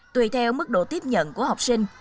tùy theo mức độ tiếp nhận của học sinh